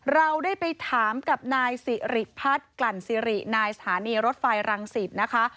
เราได้ไปถามกับนายสิริพัฒน์กลั่นสิรินายสถานีรถไฟรังสิตนะคะ